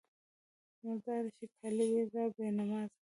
_مرداره شې! کالي دې را بې نمازه کړل.